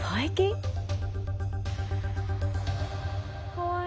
かわいい。